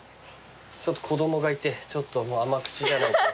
ちょっと子供がいてちょっともう甘口じゃないと。